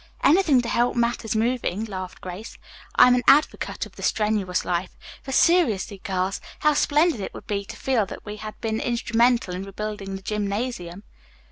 "Anything to keep matters moving," laughed Grace. "I'm an advocate of the strenuous life. But seriously, girls, how splendid it would be to feel that we had been instrumental in rebuilding the gymnasium."